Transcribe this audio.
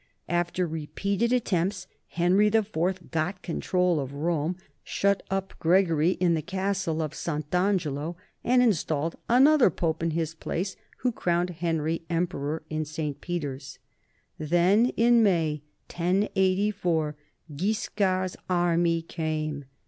After repeated attempts Henry IV got control of Rome, shut up Gregory in the Castle of Sant' Angelo, and in stalled another Pope in his place, who crowned Henry emperor in St. Peter's. Then, in May, 1084, Guiscard's army came.